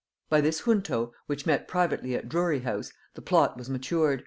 By this junto, which met privately at Drury house, the plot was matured.